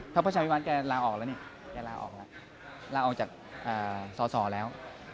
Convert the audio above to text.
ประชาภิวัติก็ลาออกแล้วเนี่ยลาออกจากสอแล้ว